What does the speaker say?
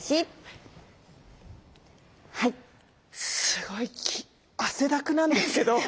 すごい汗だくなんですけど。